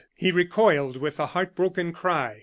He recoiled with a heart broken cry.